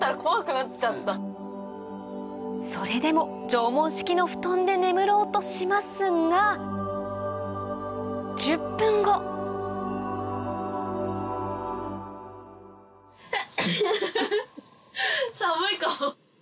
それでも縄文式の布団で眠ろうとしますが１０分後フフフ！